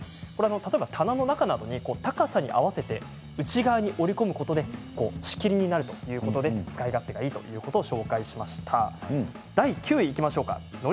例えば棚の中などに高さに合わせて内側に折り込むことで仕切りになるということで使い勝手がいいということを紹介しました。